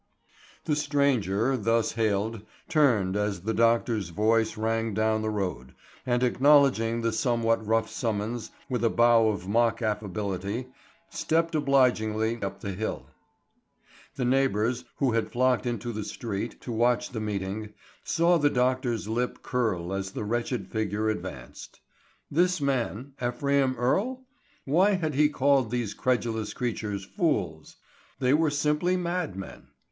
THE stranger, thus hailed, turned as the doctor's voice rang down the road, and acknowledging the somewhat rough summons with a bow of mock affability, stepped obligingly up the hill. The neighbors who had flocked into the street to watch the meeting, saw the doctor's lip curl as the wretched figure advanced. This man, Ephraim Earle? Why had he called these credulous creatures fools? They were simply madmen.